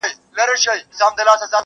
د پاچا په انتخاب کي سر ګردان وه؛